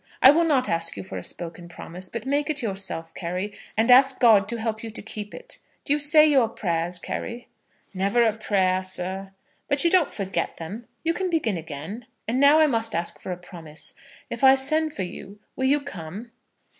"I will not ask you for a spoken promise, but make it yourself, Carry, and ask God to help you to keep it. Do you say your prayers, Carry?" "Never a prayer, sir." "But you don't forget them. You can begin again. And now I must ask for a promise. If I send for you will you come?"